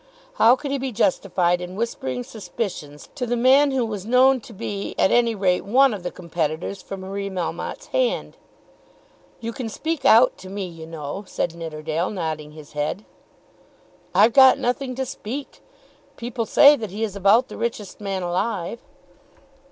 How could he be justified in whispering suspicions to the man who was known to be at any rate one of the competitors for Marie Melmotte's hand? "You can speak out to me, you know," said Nidderdale, nodding his head. "I've got nothing to speak. People say that he is about the richest man alive."